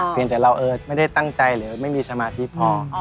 แต่เราไม่ได้ตั้งใจหรือไม่มีสมาธิพอ